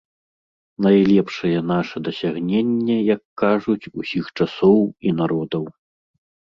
Найлепшае наша дасягненне, як кажуць, усіх часоў і народаў.